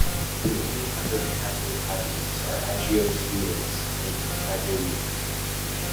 The only other inhabited islands are Agios Minas, and Thymaina.